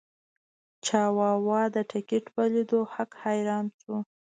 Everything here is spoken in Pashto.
چاواوا د ټکټ په لیدو هک حیران شو.